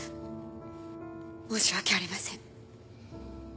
申し訳ありません。